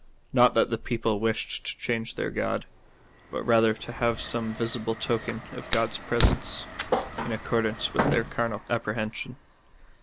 Not that the people wished to change their God, but rather to have some visible token of God's presence, in accordance with their carnal apprehension.